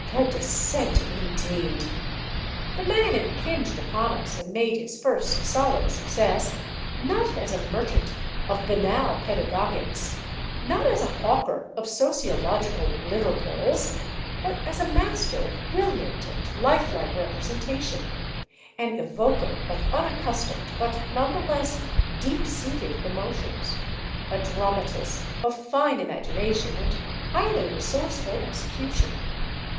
A descent, indeed! The man impinged upon us and made his first solid success, not as a merchant of banal pedagogics, not as a hawker of sociological liver pills, but as a master of brilliant and life like representation, an evoker of unaccustomed but none the less deep seated emotions, a dramatist of fine imagination and highly resourceful execution.